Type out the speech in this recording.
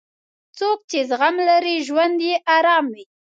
څوک چې زغم لري، ژوند یې ارام وي.